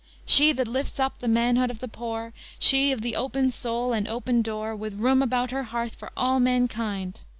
She that lifts up the manhood of the poor, She of the open soul and open door, With room about her hearth for all mankind!